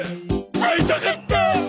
会いたかった！